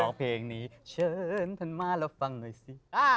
เพลงนี้เชิญท่านมาแล้วฟังหน่อยสิ